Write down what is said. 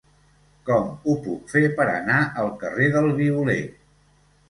Com ho puc fer per anar al carrer del Violer?